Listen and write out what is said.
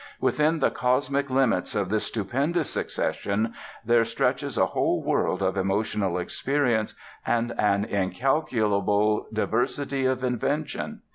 Within the cosmic limits of this stupendous succession there stretches a whole world of emotional experience and an incalculable diversity of invention.